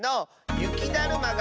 ゆきだるまが。